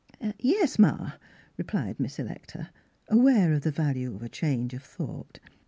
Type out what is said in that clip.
" Yes, ma," replied Miss Electa, aware of the value of a change of thought.